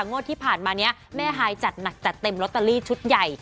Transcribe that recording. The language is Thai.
งวดที่ผ่านมานี้แม่ฮายจัดหนักจัดเต็มลอตเตอรี่ชุดใหญ่